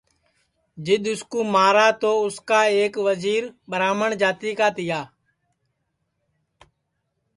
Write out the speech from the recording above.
جِدؔ اُس کُو مارہ تو اُس کا اُس کا ایک وزیر ٻرہامٹؔ جاتی کا تیا